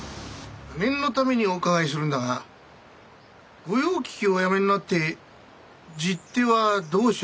念のためにお伺いするんだが御用聞きをおやめになって十手はどうしやした？